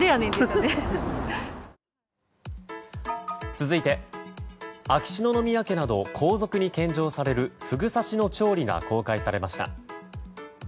続いて秋篠宮家など皇族に献上されるフグ刺しの調理が公開されました。